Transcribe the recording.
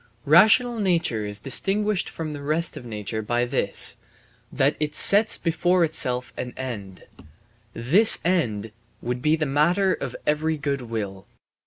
Rational nature is distinguished from the rest of nature by this, that it sets before itself an end. This end would be the matter of every good will.